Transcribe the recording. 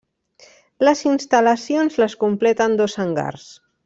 Les instal·lacions les completen dos hangars.